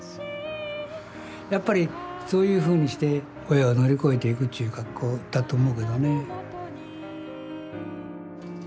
やっぱりそういうふうにして親を乗り越えていくという格好だと思うけどね。